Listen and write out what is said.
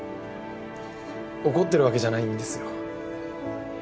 怒ってるわけじゃないんですよ。